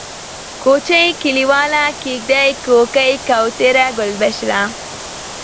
کوچۍ ، کليواله ، کيږدۍ ، کوکۍ ، کوتره ، گلبشره